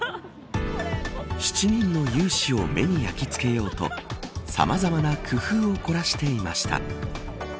７人の勇姿を目に焼き付けようとさまざまな工夫を凝らしていました。